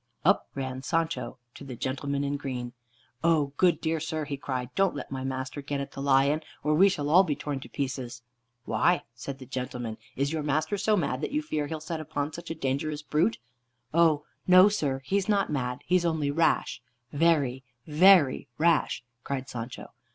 Up ran Sancho to the gentleman in green. "O good, dear sir," he cried, "don't let my master get at the lion, or we shall all be torn to pieces." "Why," said the gentleman, "is your master so mad that you fear he'll set upon such a dangerous brute." "Oh no, sir, he's not mad; he's only rash, very, very rash," cried Sancho.